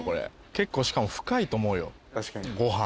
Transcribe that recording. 結構しかも深いと思うよご飯。